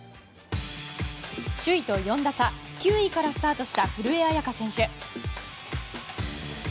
首位と４打差９位からスタートした古江彩佳選手。